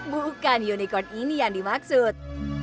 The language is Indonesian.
bukan unicorn ini yang dimaksud